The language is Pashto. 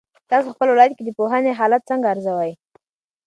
تاسو په خپل ولایت کې د پوهنې حالت څنګه ارزوئ؟